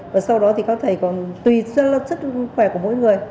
và sau đó thì có thể còn tùy sức khỏe của mỗi người